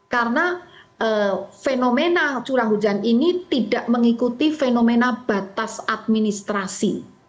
karena fenomena curah hujan ini tidak mengikuti fenomena batas administrasi